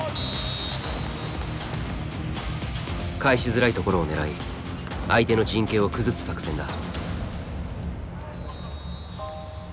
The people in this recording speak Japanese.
返しづらいところを狙い相手の陣形を崩す作戦だ。